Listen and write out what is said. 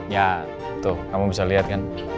ya tuh kamu bisa lihat kan